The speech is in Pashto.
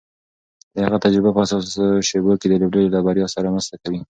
د هغه تجربه په حساسو شېبو کې د لوبډلې له بریا سره مرسته کوي.